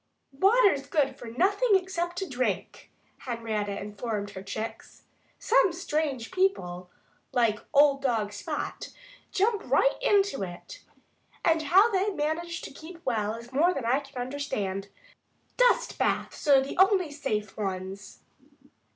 "Water's good for nothing except to drink," Henrietta informed her chicks. "Some strange people, like old dog Spot, jump right into it. And how they manage to keep well is more than I can understand. Dust baths are the only safe ones."